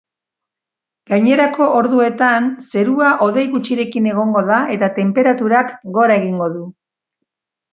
Gainerako orduetan, zerua hodei gutxirekin egongo da eta tenperaturak gora egingo du.